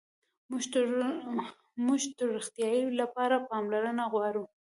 موټر د روغتیا لپاره پاملرنه غواړي.